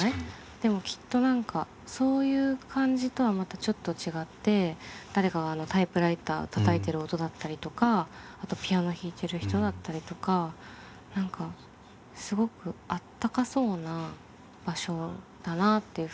でもきっと何かそういう感じとはまたちょっと違って誰かがタイプライターたたいてる音だったりとかあとピアノ弾いてる人だったりとか何かすごくあったかそうな場所だなっていうふうに思いました。